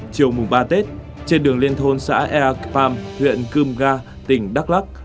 chiều mùng ba tết trên đường liên thôn xã eak pham huyện cưm ga tỉnh đắk lắc